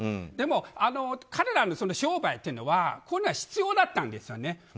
でも、彼らの商売というのは本来、必要だったんですよね。